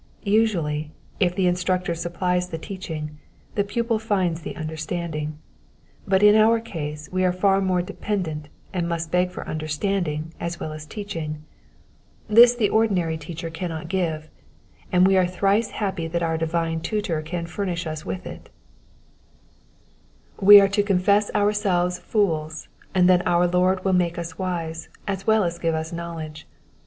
Usually, if the instructor supplies the teaching, the pupil finds the understanding ; but in our case we are far more dependent, and must beg for understanding as well as teaching : this the ordinary teacher Digitized by VjOOQIC PSALM ONE HUJTDEED AND NINETEEN — ^VERSES 121 TO 128. 273 cannot give, and we are thrice happy that our Divine Tutor can furnish us with it. We are to confess ourselves fools, and then our Lord will make us wise, as well as give us knowledge.